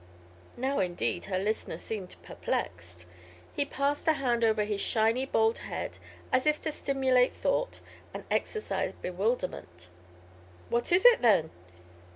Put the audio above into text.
Now, indeed, her listener seemed perplexed. He passed a hand over his shiny bald head as if to stimulate thought and exorcise bewilderment. "What is it, then?